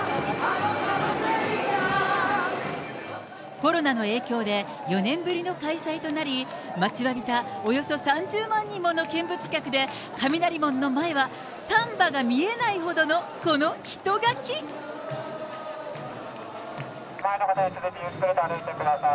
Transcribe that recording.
コロナの影響で４年ぶりの開催となり、待ちわびたおよそ３０万人もの見物客で雷門の前はサンバが見えな前の方に続いてゆっくりと歩いてください。